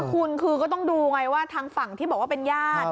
คุณคือก็ต้องดูไงว่าทางฝั่งที่บอกว่าเป็นญาติ